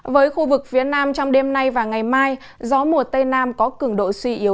với khu vực phía nam trong đêm nay và ngày mai gió mùa tây nam có cường độ suy yếu